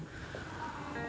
semoga bapaknya lagi selamat